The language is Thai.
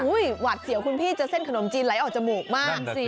หวาดเสียวคุณพี่จะเส้นขนมจีนไหลออกจมูกมาก